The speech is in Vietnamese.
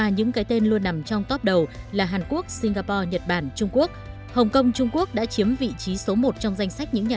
những công ty nguồn năng lượng truyền thông thường đã xây dựng hoạt động trong việt nam